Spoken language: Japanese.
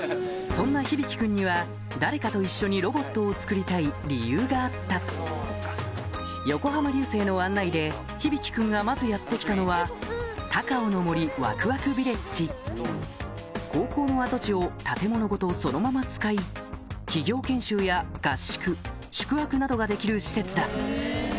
そんなひびきくんには誰かと一緒にロボットを作りたい理由があった横浜流星の案内でひびきくんがまずやって来たのは高校の跡地を建物ごとそのまま使い企業研修や合宿宿泊などができる施設だ